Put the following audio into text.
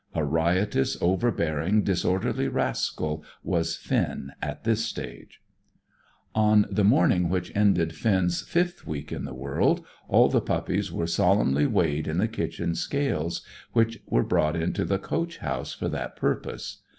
A riotous, overbearing, disorderly rascal was Finn at this stage. On the morning which ended Finn's fifth week in the world, all the pups were solemnly weighed in the kitchen scales, which were brought into the coach house for that purpose.